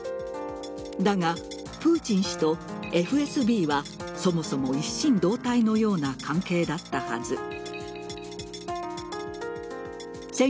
だが、プーチン氏とＦＳＢはそもそも一心同体のような関係だったはず。